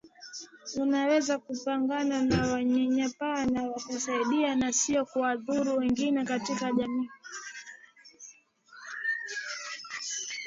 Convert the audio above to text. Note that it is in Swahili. Unaweza kupigana na unyanyapaa na kuwasaidia na siyo kuwadhuru wengine katika jamii